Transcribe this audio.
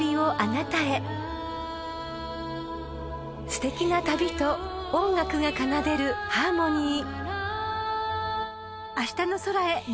［すてきな旅と音楽が奏でるハーモニー］